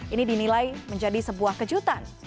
ini dinilai menjadi sebuah kejutan